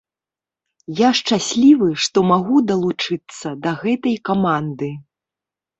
Я шчаслівы, што магу далучыцца да гэтай каманды.